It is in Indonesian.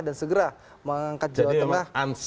dan segera mengangkat jawa tengah